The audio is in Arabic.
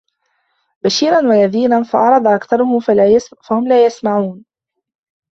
بَشِيرًا وَنَذِيرًا فَأَعْرَضَ أَكْثَرُهُمْ فَهُمْ لَا يَسْمَعُونَ